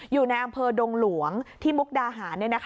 อยู่ในอำเภอดงหลวงที่มุกดาหาร